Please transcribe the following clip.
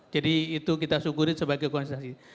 jadi itu kita syukur sebagai konsistensi